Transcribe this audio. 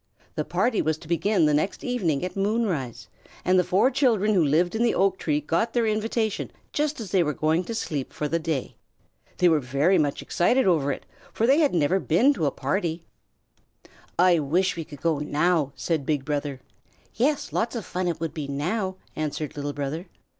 The party was to begin the next evening at moonrise, and the four children who lived in the oak tree got their invitation just as they were going to sleep for the day. They were very much excited over it, for they had never been to a party. "I wish we could go now," said Big Brother. "Yes, lots of fun it would be now!" answered Little Brother.